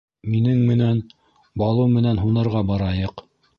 Минен менән, Балу менән һунарға барайыҡ.